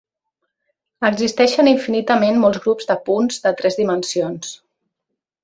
Existeixen infinitament molts grups de punts de tres dimensions.